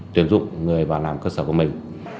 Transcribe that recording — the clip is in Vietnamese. tuyên dụng người vào làm cơ sở của mình